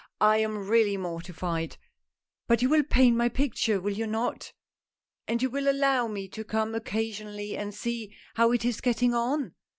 I am really mortified — but you will paint my picture, will you not ? And you will allow me to come occasionally and see how it is getting on